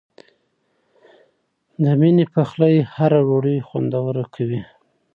د مینې پخلی هره ډوډۍ خوندوره کوي.